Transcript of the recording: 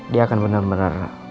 dia akan bener bener